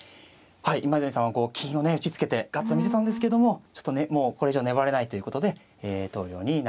今泉さんはこう金をね打ちつけてガッツを見せたんですけどもちょっとねもうこれ以上粘れないということで投了になりました。